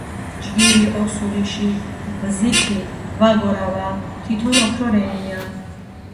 ჯგირი ოსურიში ბზითი ვაგორავა თითონ ოქრო რენია